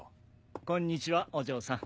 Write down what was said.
こんにちはお嬢さん。